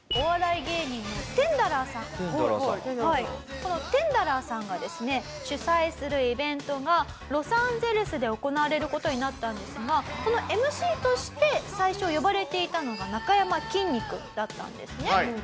このテンダラーさんがですね主催するイベントがロサンゼルスで行われる事になったんですがそのＭＣとして最初呼ばれていたのがなかやまきんに君だったんですね。